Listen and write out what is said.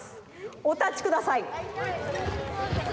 おたちください！